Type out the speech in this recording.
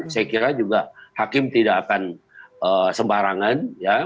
saya kira juga hakim tidak akan sembarangan